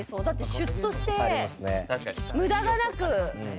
シュッとして、無駄がなく。